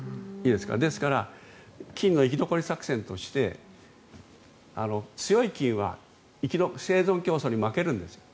ですから菌の生き残り作戦として強い菌は生存競争に負けるんですよ。